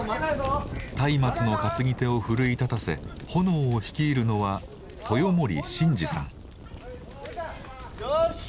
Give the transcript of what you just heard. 松明の担ぎ手を奮い立たせ炎を率いるのはようし。